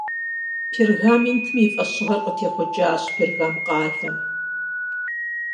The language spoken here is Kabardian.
Пергаментым и фӏэщыгъэр къытехъукӏащ Пергам къалэм.